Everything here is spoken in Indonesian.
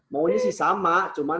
maunya sih sama cuman